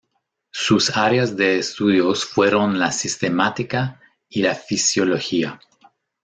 Sus áreas de estudios fueron la sistemática y la fisiología.